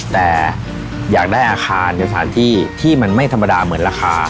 แต่อยากได้อาคารในสถานที่ที่มันไม่ธรรมดาเหมือนราคา